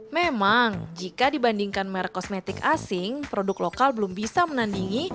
memang jika dibandingkan merk kosmetik asing produk lokal belum bisa menandingi